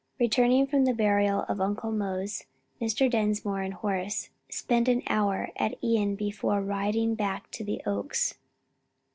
Returning from the burial of Uncle Mose, Mr. Dinsmore and Horace spent an hour at Ion before riding back to the Oaks.